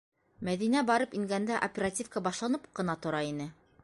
Мәҙинә барып ингәндә оперативка башланып ҡына тора ине.